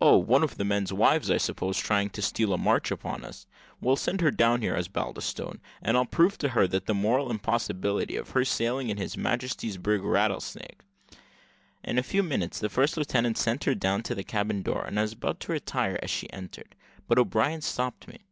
"Oh! one of the men's wives, I suppose, trying to steal a march upon us. Well, send her down here, Osbaldistone, and I'll prove to her the moral impossibility of her sailing in His Majesty's brig Rattlesnake." In a few minutes, the first lieutenant sent her down to the cabin door, and I was about to retire as she entered; but O'Brien stopped me.